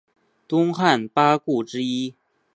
东汉八顾之一。